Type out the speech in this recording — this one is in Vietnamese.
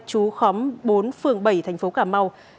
chú khóm bốn phường bảy thành phố cà mau